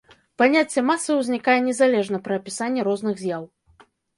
Паняцце масы ўзнікае незалежна пры апісанні розных з'яў.